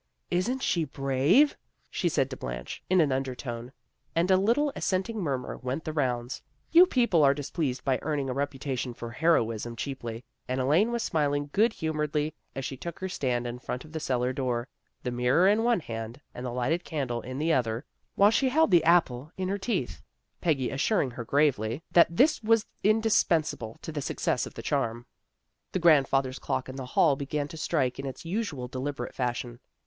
" Isn't she brave? " she said to Blanche, in an undertone, and a little assenting murmur went the rounds. Few people are displeased by earning a reputation for hero ism cheaply, and Elaine was smiling good humoredly as she took her stand in front of the cellar door, the mirror in one hand, and the lighted candle in the other, while she held the apple in her teeth, Peggy assuring her gravely 82 THE GIRLS OF FRIENDLY TERRACE that this was indispensable to the success of the charm. The grandfather's clock in the hall began to strike in its usual deliberate fashion.